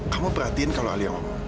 kamu perhatiin kalau ali ngomong